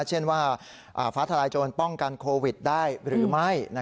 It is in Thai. เช่นว่าฟ้าทลายโจรป้องกันโควิดได้หรือไม่